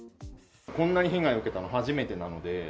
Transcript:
こんなに被害を受けたのは初めてなので。